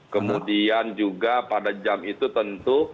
kemudian juga pada jam itu tentu